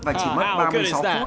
và chỉ mất ba mươi sáu phút